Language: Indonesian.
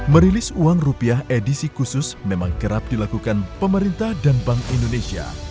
merilis uang rupiah edisi khusus memang kerap dilakukan pemerintah dan bank indonesia